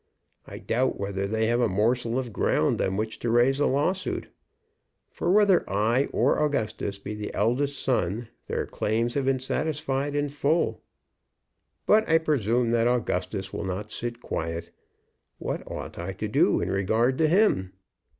I doubt whether they have a morsel of ground on which to raise a lawsuit; for whether I or Augustus be the eldest son, their claims have been satisfied in full. But I presume that Augustus will not sit quiet. What ought I to do in regard to him?